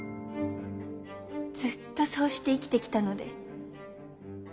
ずっとそうして生きてきたので。